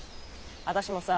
私もさ